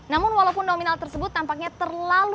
namun walaupun nominal tersebut tampaknya terlalu